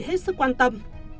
hết sức quan tâm